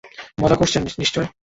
মজা করছেন নিশ্চয়।